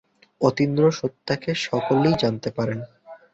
অতীন্দ্রিয় সত্তাকে সকলেই জানতে পারে।